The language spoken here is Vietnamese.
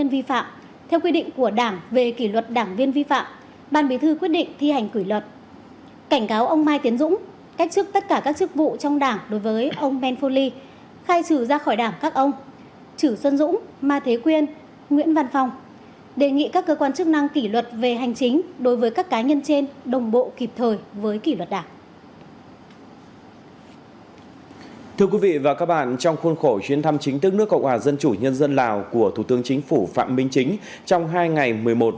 vi phạm của các ông trử xuân dũng ma thế quyên nguyễn văn phong đã gây hậu quả rất nghiêm trọng dư luận bức xúc trong xã hội ảnh hưởng xấu đến uy tín của tổ chức đảng cơ quan nhà nước